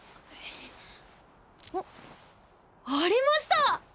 あありました！